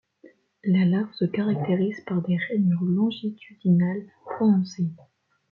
La larve se caractérise par des rainures longitudinales prononcées.